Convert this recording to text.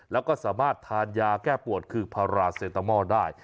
แล้วก็สามารถทานยาแก้ปวดคือพาราเซตามอลได้